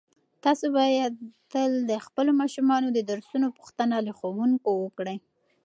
تاسو باید تل د خپلو ماشومانو د درسونو پوښتنه له ښوونکو وکړئ.